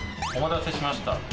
お待たせしました。